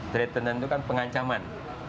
treatment itu kan pengancaman